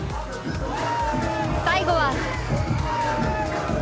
最後は